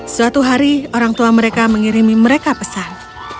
suatu hari orang tua mereka mengirimi mereka pesan